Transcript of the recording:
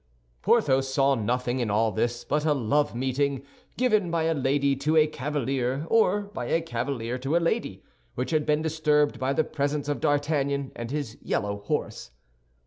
Porthos saw nothing in all this but a love meeting, given by a lady to a cavalier, or by a cavalier to a lady, which had been disturbed by the presence of D'Artagnan and his yellow horse.